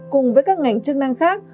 cùng với các ngành chức năng khác